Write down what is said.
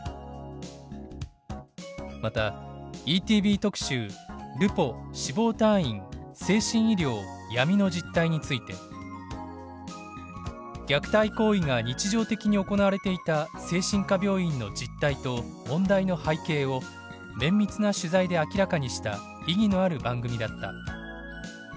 またＥＴＶ特集「ルポ死亡退院精神医療・闇の実態」について「虐待行為が日常的に行われていた精神科病院の実態と問題の背景を綿密な取材で明らかにした意義のある番組だった」。